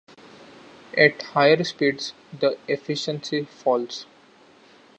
At higher speeds the efficiency falls.